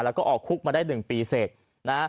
แล้วก็ออกคุกมาได้๑ปีเสร็จนะ